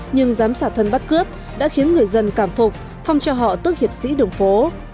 nhưng giám sả thân bắt cướp đã khiến người dân cảm phục phong cho họ tước hiệp sĩ đường phố